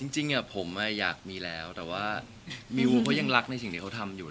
จริงผมอยากมีแล้วแต่ว่ามิวเขายังรักในสิ่งที่เขาทำอยู่